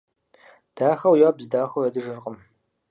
Дахэу ябз дахэу ядыжыркъым.